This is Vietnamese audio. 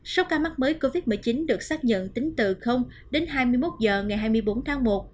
số ca mắc mới covid một mươi chín được xác nhận tính từ đến hai mươi một h ngày hai mươi bốn tháng một